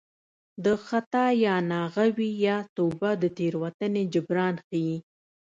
د خطا یا ناغه وي یا توبه د تېروتنې جبران ښيي